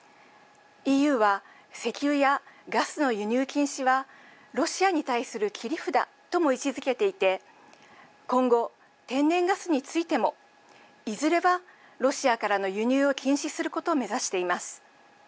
ＥＵは石油やガスの輸入禁止はロシアに対する切り札とも位置づけていて今後、天然ガスについてもいずれはロシアからの輸入を禁止することを目指しています。